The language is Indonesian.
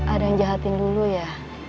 ada yang jahatin dulu ya